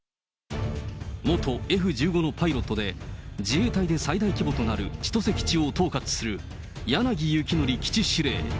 元Ｆ１５のパイロットで、自衛隊で最大規模となる千歳基地を統括する柳ゆきのり基地司令。